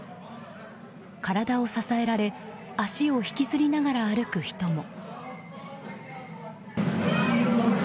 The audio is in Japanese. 体を支えられ足を引きずりながら歩く人も。